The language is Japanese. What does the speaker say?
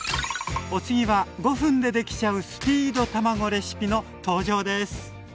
お次は５分でできちゃうスピード卵レシピの登場です。